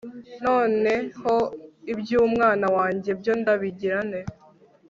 noneho iby'umwana wanjye byo ndabigira nte